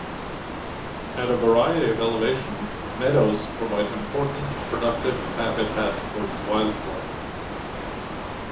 At a variety of elevations, meadows provide important, productive habitat for wildlife.